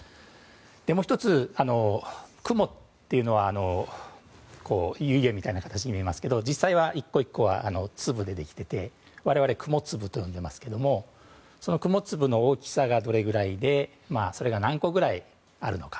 もう１つ、雲というのは湯気みたいな形に見えますけど実際は１個１個は粒でできていて我々は雲粒と呼んでいますけどその雲粒の大きさがどれくらいでそれが何個くらいあるのか。